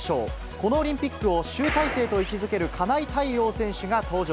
このオリンピックを集大成と位置づける金井大旺選手が登場。